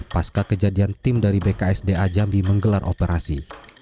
pasca kejadian tim dari bksda jambi menggelar operasi